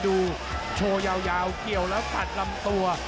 ดูโชว์ยาวเกี่ยวแล้วตัดลำตัว